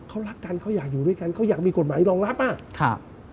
เขารักกันเขาอยากอยู่ด้วยกันเขาอยากมีกฎหมายรองรับอ่ะครับ